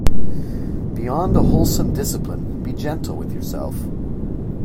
Beyond a wholesome discipline, be gentle with yourself.